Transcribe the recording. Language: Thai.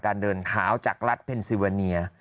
การเดินท้าวจากรัฐเป้นซีเวนีย